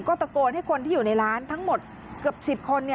ก็ตะโกนให้คนที่อยู่ในร้านทั้งหมดเกือบ๑๐คน